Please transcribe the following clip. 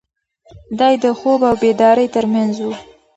دی د خوب او بیدارۍ تر منځ و.